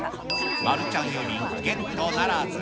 まるちゃん呼びゲットならず。